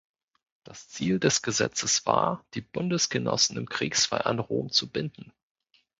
Das Ziel des Gesetzes war, die Bundesgenossen im Kriegsfall an Rom zu binden.